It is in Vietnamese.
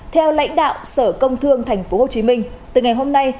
theo lãnh đạo sở công thương tp hcm từ ngày hôm nay